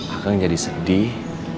akang jadi sedih